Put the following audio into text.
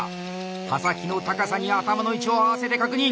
刃先の高さに頭の位置を合わせて確認！